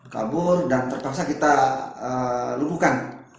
kabur dan terpaksa kita lubuhkan